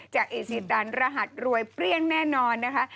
เอซีตันรหัสรวยเปรี้ยงแน่นอนนะคะ